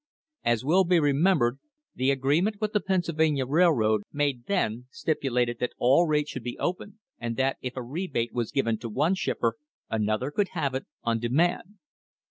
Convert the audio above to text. As will be remembered, the agreement with the Pennsylvania Railroad made then stipulated that all rates should be open, and that if a rebate was given to one shipper another could have it on demand.